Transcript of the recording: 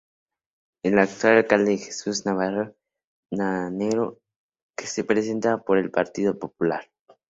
El actual alcalde es Jesús Navarro Manero que se presenta por el Partido Popular.